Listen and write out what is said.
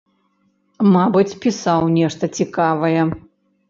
Мабыць, пісаў нешта цікавае.